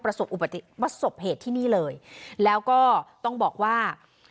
ประสบเหตุที่นี่เลยแล้วก็ต้องบอกว่า